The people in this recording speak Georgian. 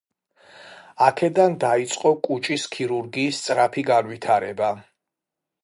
აქედან დაიწყო კუჭის ქირურგიის სწრაფი განვითარება.